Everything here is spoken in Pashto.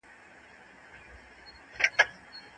که موږ د سیاست علم ته سیاستپوهنه ووایو دا به ډېره ښه وي.